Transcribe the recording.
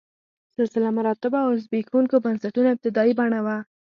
سلسله مراتبو او زبېښونکو بنسټونو ابتدايي بڼه وه.